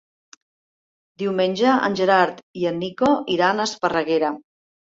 Diumenge en Gerard i en Nico iran a Esparreguera.